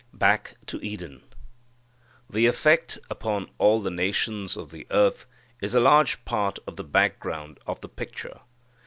Back to Eden. The effect upon all the nations of the earth is a large part of the background of the picture.